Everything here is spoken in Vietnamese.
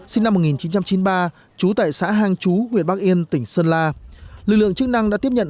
sinh năm một nghìn chín trăm chín mươi ba trú tại xã hang chú huyện bắc yên tỉnh sơn la lực lượng chức năng đã tiếp nhận